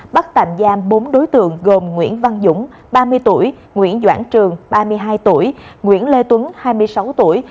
bắt tạm giam bốn đối tượng gồm nguyễn văn dũng ba mươi tuổi nguyễn doãn trường ba mươi hai tuổi nguyễn lê tuấn hai mươi sáu tuổi